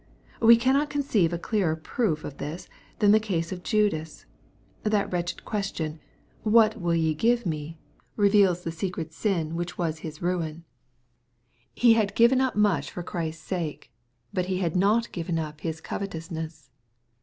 ] We cannot conceive a clearer proof of this, than the case of Judas. That wretched question, " What will ye give me ?" reveals the secret sin which was hia 352 BXF08IT0BT THOUGHTS. ruin. He had giyen up much for Christ's sake, bnl he had not giyen up his covetousness.